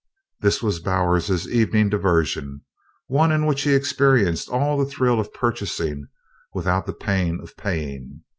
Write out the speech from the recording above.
This was Bowers's evening diversion, one in which he experienced all the thrills of purchasing without the pain of paying.